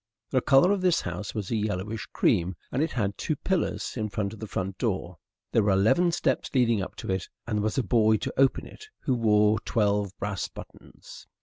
The colour of this house was a yellowish cream, and it had two pillars in front of the front door. There were eleven steps leading up to it, and there was a boy to open it who wore twelve brass buttons.